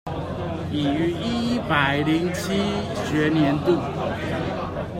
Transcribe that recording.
已於一百零七學年度